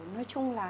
nói chung là